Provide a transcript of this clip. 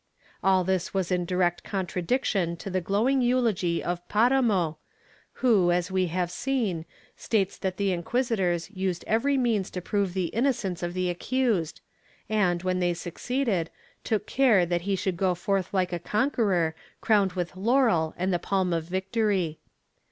* All this was in direct contradiction to the glowing eulogy of Paramo who, as we have seen, states that the inquisitors used every means to prove the innocence of the accused and, when they succeeded, took care that he should go forth hke a conqueror crowned with laurel and the palm of victory.